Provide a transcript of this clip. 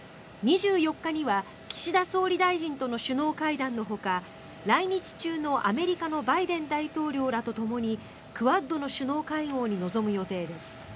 ２４日には岸田総理大臣との首脳会談のほか来日中の、アメリカのバイデン大統領らとともにクアッドの首脳会合に臨む予定です。